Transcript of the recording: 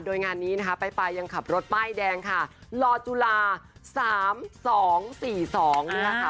โดยงานนี้นะคะไปไปยังขับรถป้ายแดงค่ะลอจุลาสามสองสี่สองเนี้ยค่ะ